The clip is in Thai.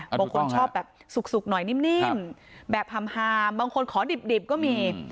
บางคนชอบแบบสุกสุกหน่อยนิ่มนิ่มแบบธรรมฮาบางคนขอดิบดิบก็มี